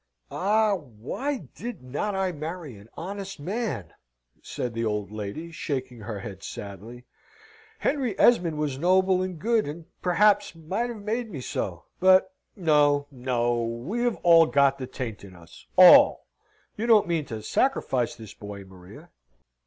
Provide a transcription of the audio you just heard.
"Ah! Why did not I marry an honest man?" said the of lady, shaking her head sadly. "Henry Esmond was noble and good, and perhaps might have made me so. But no, no we have all got the taint in us all! You don't mean to sacrifice this boy, Maria?"